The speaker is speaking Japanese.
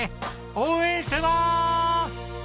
応援してまーす！